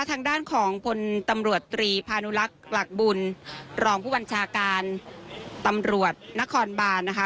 ทางด้านของพลตำรวจตรีพานุลักษณ์หลักบุญรองผู้บัญชาการตำรวจนครบานนะคะ